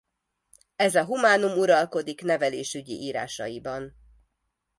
Ez a humánum uralkodik nevelésügyi írásaiban.